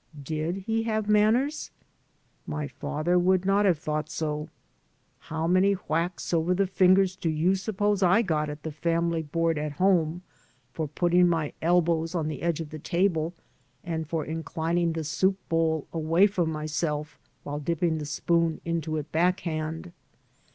Did he have manners? My father would not have thought so. How many whacks over the fingers do you suppose I got at the family board at home for putting my elbows on the edge of the table, and for inclining the soup bowl away from myself while dipping the spoon into it backhand?